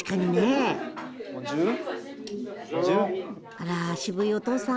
あら渋いお父さん。